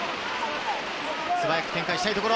素早く展開したいところ。